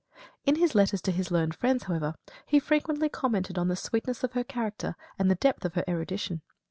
In his letters to his learned friends, however, he frequently commented on the sweetness of her character and the depth of her erudition.